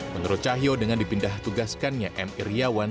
menurut cahyo dengan dipindah tugaskannya m iryawan